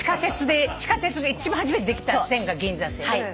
地下鉄で一番初めてできた線が銀座線。